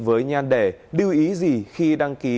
với nhan đề đưa ý gì khi đăng ký